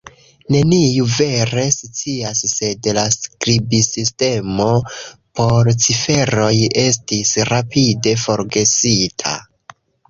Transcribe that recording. Neniu vere scias sed la skribsistemo por ciferoj estis rapide forgesita